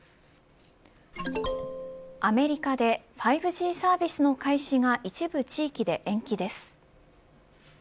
アメリカで５Ｇサービスの開始が一部地域で延期です。